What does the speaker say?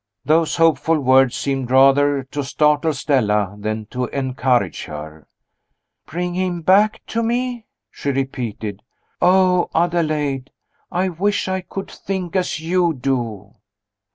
Those hopeful words seemed rather to startle Stella than to encourage her. "Bring him back to me?" she repeated "Oh, Adelaide, I wish I could think as you do!"